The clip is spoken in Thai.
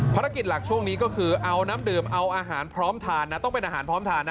ภารกิจหลักช่วงนี้ก็คือเอาน้ำดื่มเอาอาหารพร้อมทานนะต้องเป็นอาหารพร้อมทานนะ